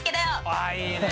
ああいいね。